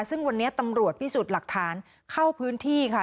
ซึ่งวันนี้ตำรวจพิสูจน์หลักฐานเข้าพื้นที่ค่ะ